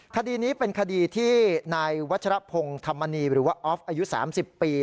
คดีนี้เป็นคดีที่นายวัชรพงศ์ธรรมนีหรือว่าออฟอายุ๓๐ปี